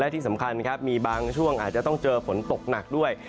ที่สำคัญครับมีบางช่วงอาจจะต้องเจอฝนตกหนักด้วย